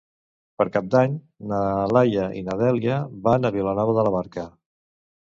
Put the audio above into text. Per Cap d'Any na Laia i na Dèlia van a Vilanova de la Barca.